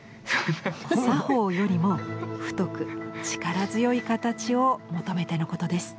作法よりも太く力強い形を求めてのことです。